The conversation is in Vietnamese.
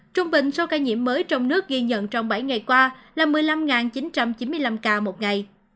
trung bình số ca nhiễm mới trong nước ghi nhận trong bảy ngày qua là một mươi năm chín trăm chín mươi năm ca một ngày